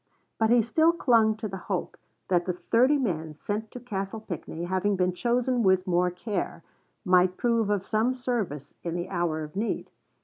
But he still clung to the hope that the thirty men sent to Castle Pinckney, having been chosen with more care, might prove of some service in the hour of need.